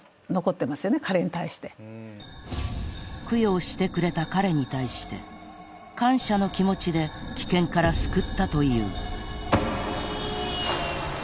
［供養してくれた彼に対して感謝の気持ちで危険から救ったという］